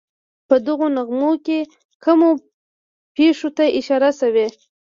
په دغو بیتونو کې کومو پېښو ته اشاره شوې.